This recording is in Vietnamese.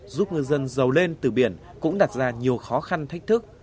giúp ngư dân giàu lên từ biển cũng đặt ra nhiều khó khăn thách thức